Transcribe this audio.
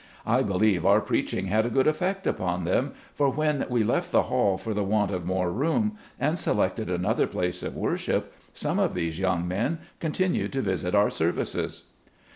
I believe our preaching had a good effect upon them, for when we left the hall for the want of more room, and selected another place of worship, some of these young men continued to visit our services.